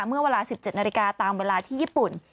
เมื่อเวลา๑๗นาฬิกาตามเวลาที่ญี่ปุ่น